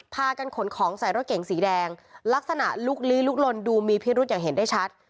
พากันขนของใส่รถเก๋งสีแดงลักษณะลุกลี้ลุกลนดูมีพิรุษอย่างเห็นได้ชัด